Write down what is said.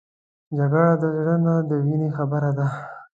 جګړه د زړه نه د وینې خبره ده